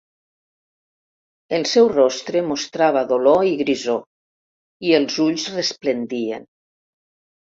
El seu rostre mostrava dolor i grisor i els ulls resplendien.